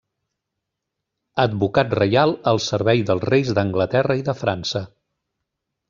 Advocat reial al servei dels reis d'Anglaterra i de França.